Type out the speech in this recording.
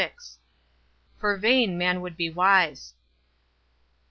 For vain man would be wise."